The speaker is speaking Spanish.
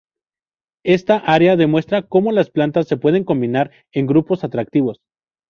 Esta área demuestra cómo las plantas se pueden combinar en grupos atractivos.